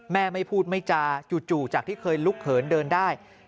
ไม่พูดไม่จาจู่จากที่เคยลุกเขินเดินได้